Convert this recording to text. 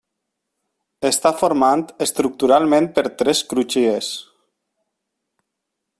Està formant estructuralment per tres crugies.